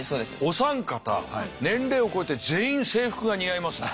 お三方年齢を超えて全員制服が似合いますね。